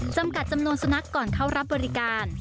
จำกัดจำนวนสุนัขก่อนเข้ารับบริการ